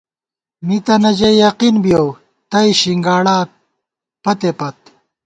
مِتَنہ ژَئی یقین بِیَؤ ، تئ شِنگاڑا پتے پت